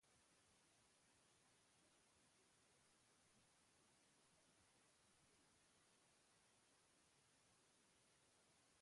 Artearen historian doktorea da, baina eleberrigintzagatik da, batez ere, ezaguna.